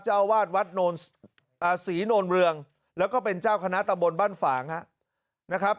เจ้าอาวาสวัดศรีโนนเรืองแล้วก็เป็นเจ้าคณะตะบนบ้านฝางนะครับ